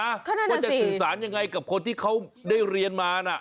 ว่าจะสื่อสารยังไงกับคนที่เขาได้เรียนมานะ